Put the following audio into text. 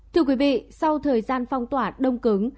thưa quý vị sau thời gian phong tỏa đông cứng